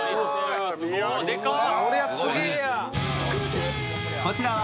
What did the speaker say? でかっ。